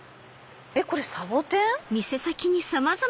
えっこれサボテン？